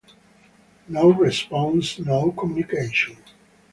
No response, no communication.